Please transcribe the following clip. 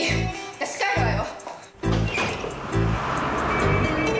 私帰るわよ！